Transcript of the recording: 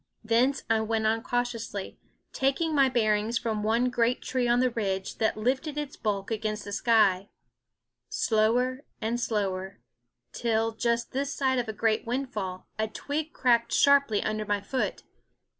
Thence I went on cautiously, taking my bearings from one great tree on the ridge that lifted its bulk against the sky; slower and slower, till, just this side a great windfall, a twig cracked sharply under my foot.